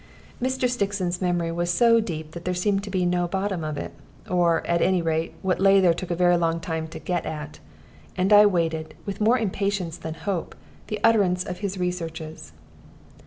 Mr. Stixon's memory was so deep that there seemed to be no bottom to it, or, at any rate, what lay there took a very long time to get at. And I waited, with more impatience than hope, the utterance of his researches.